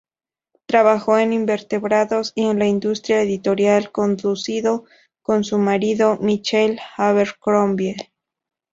Trabajó en invertebrados y en la industria editorial, conducido con su marido, Michael Abercrombie.